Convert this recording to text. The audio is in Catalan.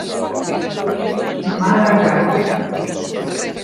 Mà de gat.